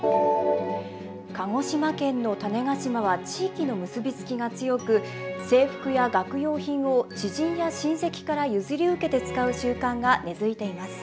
鹿児島県の種子島は地域の結び付きが強く制服や学用品を知人や親戚から譲り受けて使う習慣が根づいています。